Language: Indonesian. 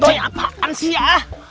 doi apaan sih ya